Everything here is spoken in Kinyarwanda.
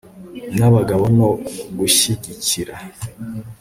n abagabo no gushyigikira